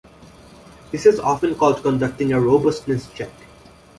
This is often called conducting a robustness check.